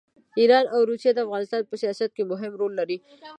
ایران او روسیه د افغانستان په سیاست کې مهم رول لري.